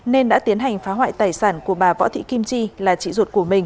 nên đã tiến hành phá hoại tài sản của bà võ thị kim chi là chị ruột của mình